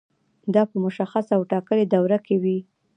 دا په مشخصه او ټاکلې دوره کې وي.